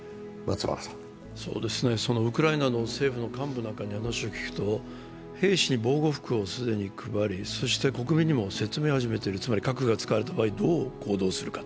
そのウクライナの政府の幹部なんかに話を聞くと兵士に防護服を既に配りそして国民にも説明を始めている、つまり核が使われた場合、どう行動するか。